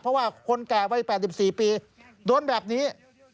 เพราะว่าคนแก่วัย๘๔ปีโดนแบบนี้